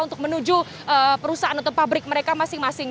untuk menuju perusahaan atau pabrik mereka masing masing